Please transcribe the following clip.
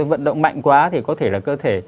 vận động mạnh quá thì có thể là cơ thể